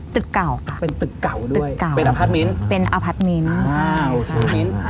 ตึกเก่าค่ะเป็นตึกเก่าด้วยเป็นอพัดมินทร์ใช่ค่ะอพัดมินทร์